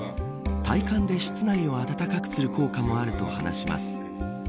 体感で室内を暖かくする効果もあると話します。